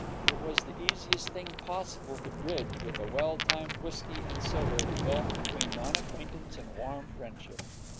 It was the easiest thing possible to bridge with a well timed whisky and soda the gulf between non acquaintance and warm friendship.